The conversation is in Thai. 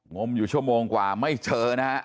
มอยู่ชั่วโมงกว่าไม่เจอนะฮะ